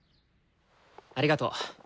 ありがと。